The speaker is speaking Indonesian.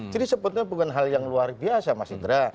jadi sebetulnya bukan hal yang luar biasa mas indra